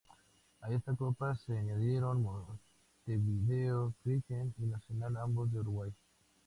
A esta Copa se añadieron Montevideo Cricket y Nacional, ambos de Uruguay.